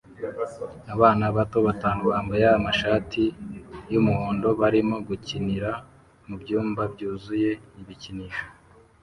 Abana bato batanu bambaye amashati yumuhondo barimo gukinira mubyumba byuzuye ibikinisho